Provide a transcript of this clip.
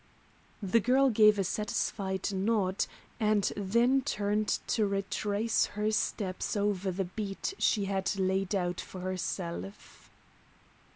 The girl gave a satisfied nod, and then turned to retrace her steps over the beat she had laid out for herself.